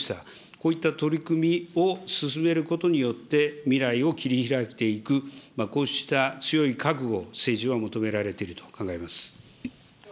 こういった取り組みを進めることによって、未来を切りひらいていく、こうした強い覚悟を政治は求められていると考えます。